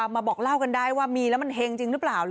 มาบอกเล่ากันได้ว่ามีแล้วมันเฮงจริงหรือเปล่า